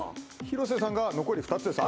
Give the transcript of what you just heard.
広瀬さんが残り２つです